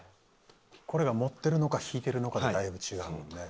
これが盛ってるのか引いてるのかでだいぶ違うもんね。